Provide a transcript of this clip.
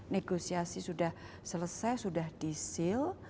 negosiasi sudah selesai sudah disheal